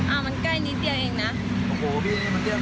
อ้าวมันใกล้นิดเดียวเองน่ะ